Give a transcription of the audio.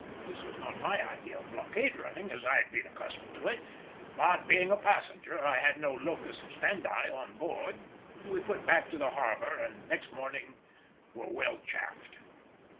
This was not my idea of blockade running as I had been accustomed to it, but being a passenger I had no locus standi on board; we put back to the harbour and next morning were well chaffed.